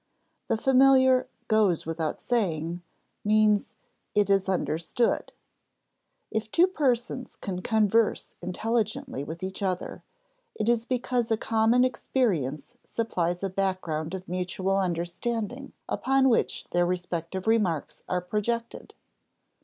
The familiar "goes without saying" means "it is understood." If two persons can converse intelligently with each other, it is because a common experience supplies a background of mutual understanding upon which their respective remarks are projected.